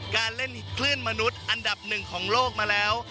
การเล่นคลื่นมนุษย์อันดับหนึ่งของโลกมาแล้ว